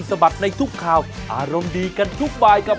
สวัสดีครับ